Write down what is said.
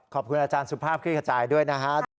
ขอบคุณอาจารย์สุภาพเครียดกระจายด้วยนะครับ